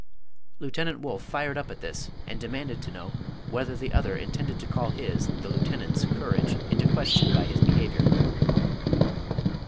Lieutenant Wolff fired up at this, and demanded to know whether the other intended to call his, the lieutenant's, courage into question by his behavior.